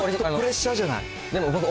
ちょっとプレッシャーじゃない？